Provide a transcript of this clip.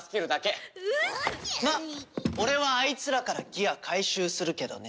まっ俺はあいつらからギア回収するけどね。